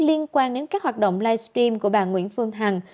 liên quan đến các hoạt động livestream của bà nguyễn phương hằng